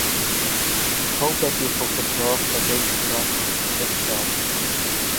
Ik hoop dat u ervoor kunt zorgen dat deze garantie voor iedereen geldt.